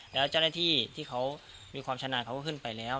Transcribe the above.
แล้วเจ้าหน้าที่ที่เขามีความชำนาญเขาก็ขึ้นไปแล้ว